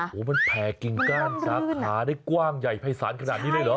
โอ้โหมันแผ่กิ่งก้านสาขาได้กว้างใหญ่ภายศาลขนาดนี้เลยเหรอ